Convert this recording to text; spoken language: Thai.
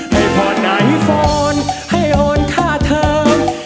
ให้พอร์ตไอฟอนให้โอนค่าเทิม